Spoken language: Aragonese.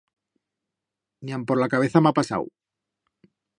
Nian por la cabeza m'ha pasau.